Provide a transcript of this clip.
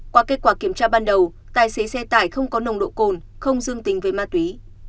qua kết quả kiểm tra ban đầu tài xế xe tải không có nồng độ cồn không dương tình với ma túy